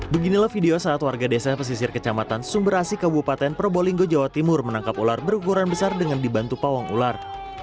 beginilah video saat warga desa pesisir kecamatan sumber asi kabupaten probolinggo jawa timur menangkap ular berukuran besar dengan dibantu pawang ular